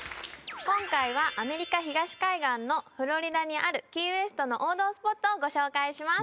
今回はアメリカ東海岸のフロリダにあるキーウェストの王道スポットをご紹介します